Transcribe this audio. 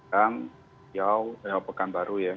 kan jauh ya pekanbaru ya